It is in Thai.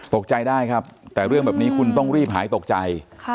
ตกใจได้ครับแต่เรื่องแบบนี้คุณต้องรีบหายตกใจ